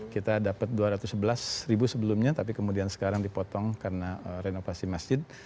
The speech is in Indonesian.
kita dapat dua ratus sebelas ribu sebelumnya tapi kemudian sekarang dipotong karena renovasi masjid